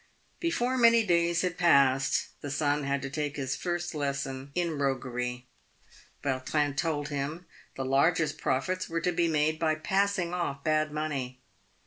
Before many days had passed, the son had to take his first lesson in roguery. Vautrin told him the largest profits were to be made by passing off bad money.